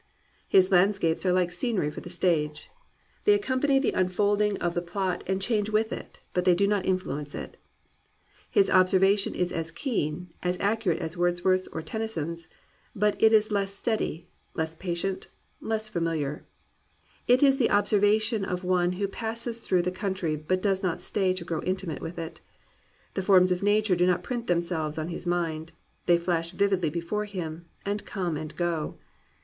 His landscapes are Uke scenery for the stage. They accompany the un folding of the plot and change with it, but they do not influence it. His observation is as keen, as ac curate as Wordsworth's or Tennyson's, but it is less steady, less patient, less familiar. It is the ob servation of one who passes through the country but does not stay to grow intimate with it. The forms of nature do not print themselves on his mind; they flash vividly before him, and come and go.